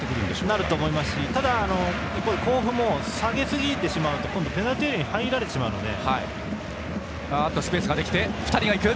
なると思いますしただ、甲府も下げすぎてしまうとペナルティーエリアに入られてしまうので。